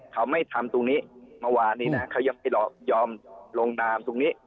เขาไม่ทำตรงนี้เมื่อวานนี้นะเขายังไปยอมลงนามตรงนี้